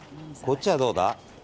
こっちはどうだ？